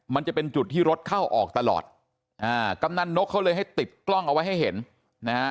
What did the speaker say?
มันจะเป็นจุดที่รถเข้าออกตลอดอ่ากำนันนกเขาเลยให้ติดกล้องเอาไว้ให้เห็นนะฮะ